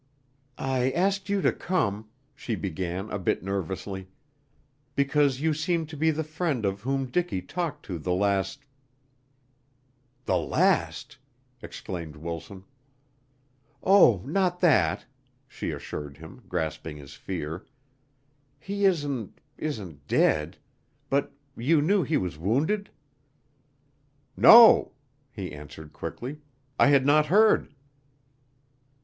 "I asked you to come," she began a bit nervously, "because you seemed to be the friend of whom Dicky talked to the last " "The last!" exclaimed Wilson. "Oh, not that," she assured him, grasping his fear. "He isn't isn't dead. But you knew he was wounded?" "No," he answered quickly, "I had not heard."